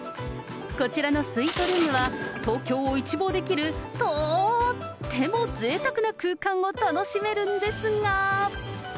こちらのスイートルームは、東京を一望できるとーっても贅沢な空間を楽しめるんですが。